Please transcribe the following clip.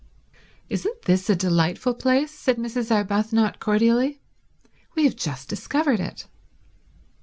"Isn't this a delightful place?" said Mrs. Arbuthnot cordially. "We have just discovered it."